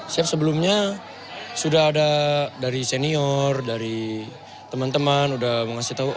saya sebelumnya sudah ada dari senior dari teman teman udah mau ngasih tahu